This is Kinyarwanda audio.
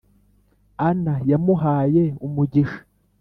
Anna yamuhaye umugisha